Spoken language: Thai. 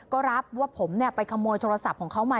ก็รับว่าผมไปขโมยโทรศัพท์ของเขามา